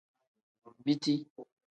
Biti.